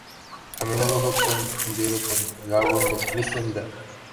A menudo fue confundido con un álbum de Christian Death.